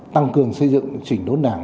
tăng cường xây dựng chỉnh đốn đảng